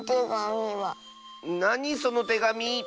なにそのてがみ？